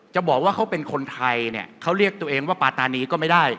จะบอกว่าเขาเป็นคนไทยเนี่ยเขาเรียกตัวเองว่าปาตานีก็ไม่ได้